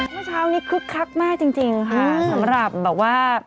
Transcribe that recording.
เมื่อเช้านี้คึกคักมากจริงค่ะสำหรับแบบว่า